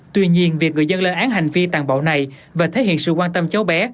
tuy nhiên việc người dân lên án hành vi tàn bạo này và thể hiện sự quan tâm cháu bé